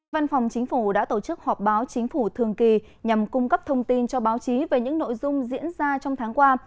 văn phòng chính phủ đã tổ chức họp báo chính phủ thường kỳ nhằm cung cấp thông tin cho báo chí về những nội dung diễn ra trong tháng qua